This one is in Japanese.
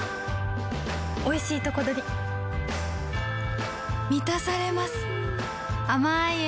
おいしいとこどりみたされます